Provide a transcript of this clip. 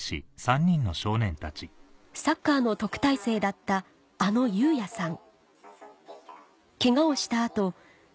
サッカーの特待生だったあのユウヤさん